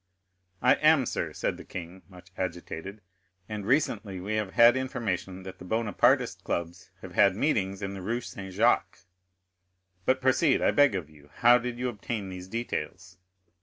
"I am, sir," said the king, much agitated; "and recently we have had information that the Bonapartist clubs have had meetings in the Rue Saint Jacques. But proceed, I beg of you. How did you obtain these details?"